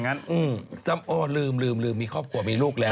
ผมก็เคยทำอย่างนั้นอ๋อลืมมีครอบครัวมีลูกแล้ว